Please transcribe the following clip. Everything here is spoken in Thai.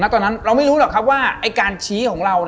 ตอนนั้นเราไม่รู้หรอกครับว่าไอ้การชี้ของเรา